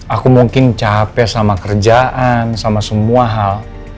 aku mungkin capek sama kerjaan sama semua hal